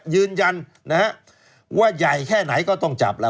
ยืนยันนะฮะว่าใหญ่แค่ไหนก็ต้องจับแล้ว